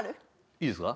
いいですか？